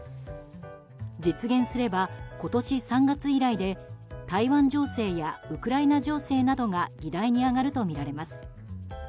実現すれば今年３月以来で台湾情勢やウクライナ情勢などが議題に上がるとみられます。